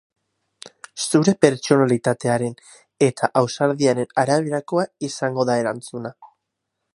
Zure pertsonalitatearen eta ausardiaren araberakoa izango da erantzuna.